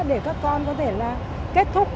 để các con có thể là kết thúc